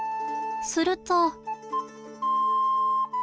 すると。